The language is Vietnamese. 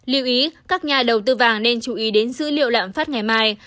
lưu ý các nhà đầu tư vàng nên chú ý đến dữ liệu lạm phát ngày mai